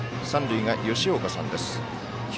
三塁が吉岡さんです。